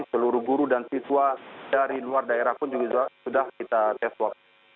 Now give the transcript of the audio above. seluruh guru dan siswa dari luar daerah pun juga sudah kita tes swab